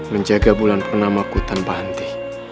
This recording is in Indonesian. menjaga bulan purnamaku tanpa henti